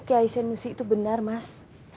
kiai senosi itu benar mas